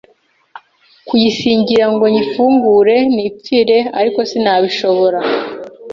kuyisingira ngo nyifungure nipfire ariko sinabishobora